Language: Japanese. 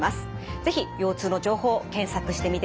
是非腰痛の情報を検索してみてください。